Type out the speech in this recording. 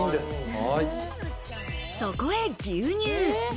そこへ牛乳。